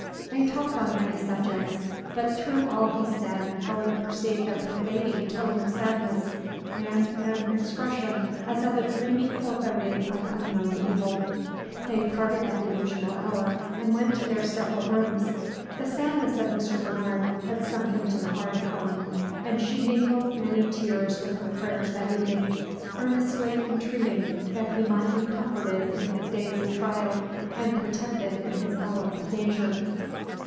They talked on many subjects, but through all he said Helen perceived a pervading tone of sadness, and an expression as of a dreamy foreboding of unknown evil. They parted at the usual hour, and went to their several rooms. The sadness of Mr. Bernard had sunk into the heart of Helen, and she mingled many tears with her prayers that evening, earnestly entreating that he might be comforted in his days of trial and protected in his hour of danger. Mr.